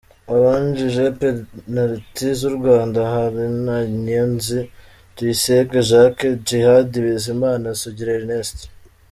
Abinjije penaliti z’u Rwanda: Haruna Niyonzi, Tuyisenge Jacques, Djihad Bizimana, Sugira Ernest.